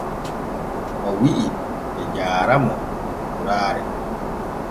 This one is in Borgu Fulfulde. O wi’i be jaara mo lokotoraare.